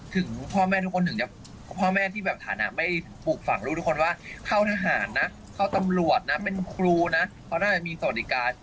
ถึงพ่อแม่ทุกคนถึงจะพ่อแม่ที่แบบฐานะไม่ปลูกฝั่งลูกทุกคนว่าเข้าทหารนะเข้าตำรวจนะเป็นครูนะเขาน่าจะมีสวัสดิการ